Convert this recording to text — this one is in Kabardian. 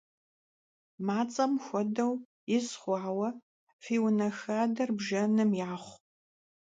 Mats'em xuedeu, yiz xhuaue fi vune xader bjjenım yaxhu!